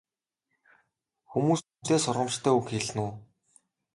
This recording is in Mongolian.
Хүмүүст үнэтэй сургамжтай үг хэлнэ үү?